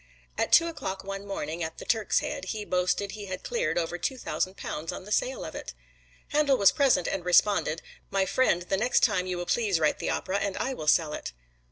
At two o'clock one morning at the "Turk's Head," he boasted he had cleared over two thousand pounds on the sale of it. Handel was present and responded, "My friend, the next time you will please write the opera and I will sell it."